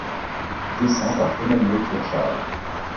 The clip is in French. Dessins par Emmanuel Pierre Charles.